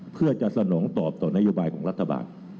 เพื่อจะสนองตอบต่อนโยบายของรัฐบาล